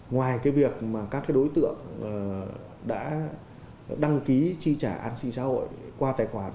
ngoài việc các đối tượng đã đăng ký tri trả an sinh xã hội qua tài khoản